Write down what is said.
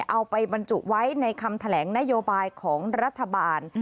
เอาไปบรรจุไว้ในคำแถลงนโยบายของรัฐบาล